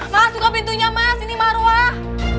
mas suka pintunya mas ini marwah